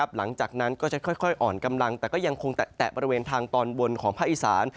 หลังจากนั้นก็จะค่อยอ่อนกำลังแต่ก็ยังคงแตะบริเวณทางตอนบนของภาคอีสาน